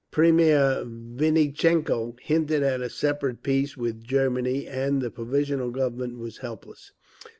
Premier Vinnitchenko hinted at a separate peace with Germany—and the Provisional Government was helpless.